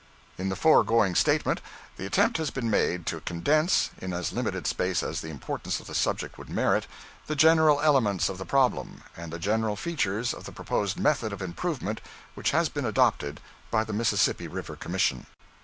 In the foregoing statement the attempt has been made to condense in as limited a space as the importance of the subject would permit, the general elements of the problem, and the general features of the proposed method of improvement which has been adopted by the Mississippi River Commission.